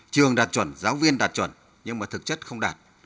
trường đạt chuẩn giáo viên đạt chuẩn nhưng mà thực chất không đạt